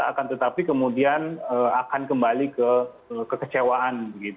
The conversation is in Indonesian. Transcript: akan tetapi kemudian akan kembali ke kekecewaan